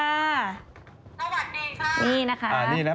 สวัสดีค่ะนี่นะคะ